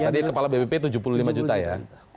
tadi kepala bpip rp tujuh puluh lima ya